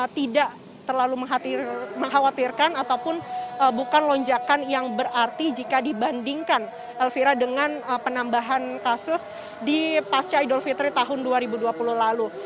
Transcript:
tidak terlalu mengkhawatirkan ataupun bukan lonjakan yang berarti jika dibandingkan elvira dengan penambahan kasus di pasca idul fitri tahun dua ribu dua puluh lalu